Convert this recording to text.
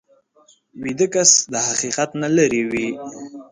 ویده کس د حقیقت نه لرې وي